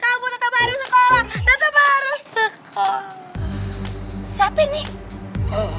kamu tetep harus sekolah tetep harus sekolah